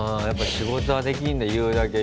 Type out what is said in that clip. やっぱり仕事はできるんだ。